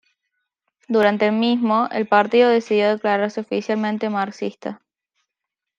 Durante el mismo, el partido decidió declararse oficialmente marxista.